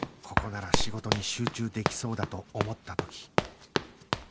ここなら仕事に集中できそうだと思った時